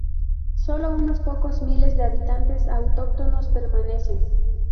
Solo unos pocos miles de habitantes autóctonos permanecen.